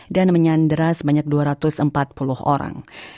dan menyandera sebanyak dua ratus empat puluh orang